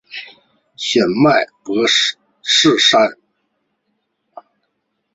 显脉柏氏参